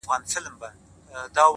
يوه غټ سترگي دومره لېونتوب ته رسيدلې _